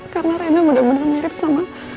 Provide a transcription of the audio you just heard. karena reina benar benar mirip sama